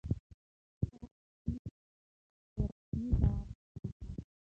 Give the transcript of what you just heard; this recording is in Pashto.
د ایران اسلامي جمهوریت دې لیک ته رسمي ځواب ور نه کړ.